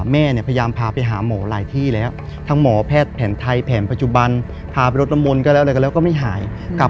แม่เนี่ยพยายามพาไปหาหมอหลายที่แล้วทั้งหมอแพทย์แผนไทย